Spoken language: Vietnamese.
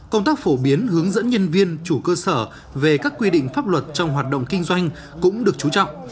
công tác phổ biến hướng dẫn nhân viên chủ cơ sở về các quy định pháp luật trong hoạt động kinh doanh cũng được chú trọng